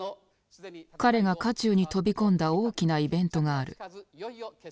彼が渦中に飛び込んだ大きなイベントがある。